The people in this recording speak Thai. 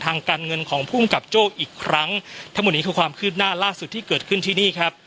ทางการเงินของภูมิกับโจ้อีกครั้งทั้งหมดนี้คือความคืบหน้าล่าสุดที่เกิดขึ้นที่นี่ครับ